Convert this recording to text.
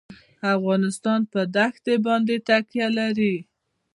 افغانستان په دښتې باندې تکیه لري.